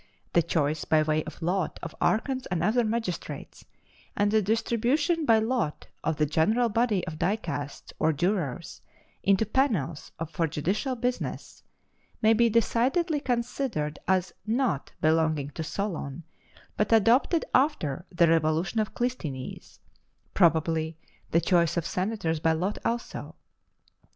The choice, by way of lot, of archons and other magistrates and the distribution by lot of the general body of dicasts or jurors into panels for judicial business may be decidedly considered as not belonging to Solon, but adopted after the revolution of Clisthenes; probably the choice of senators by lot also.